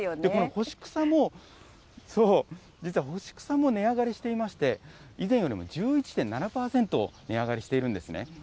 干し草も、実は干し草も値上がりしていまして、以前よりも１１．７％値上がりしているんですね。